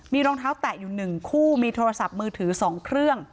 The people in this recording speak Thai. มีรองเท้าแตะอยู่๑คู่มีโทรศัพท์มือถือ๒เครื่อง